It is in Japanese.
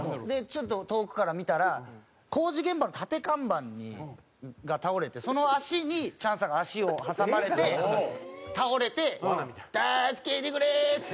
ちょっと遠くから見たら工事現場の立て看板が倒れてその脚にチャンスさんが足を挟まれて倒れて「助けてくれー！」っつって。